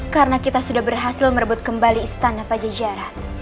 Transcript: karena kita sudah berhasil merebut kembali istana pajajaran